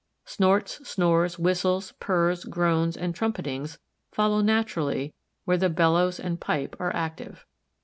Snorts, snores, whistles, purrs, groans, and trumpetings follow naturally where the bellows and pipe are active.